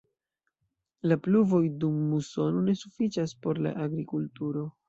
La pluvoj dum musono ne sufiĉas por la agrikulturo.